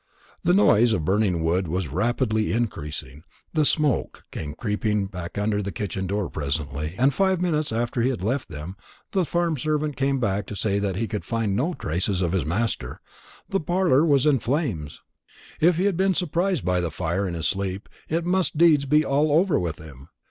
The noise of burning wood was rapidly increasing, the smoke came creeping under the kitchen door presently, and, five minutes after he had left them, the farm servant came back to say that he could find no traces of his master. The parlor was in flames. If he had been surprised by the fire in his sleep, it must needs be all over with him.